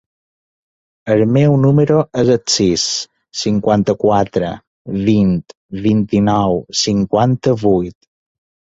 El meu número es el sis, cinquanta-quatre, vint, vint-i-nou, cinquanta-vuit.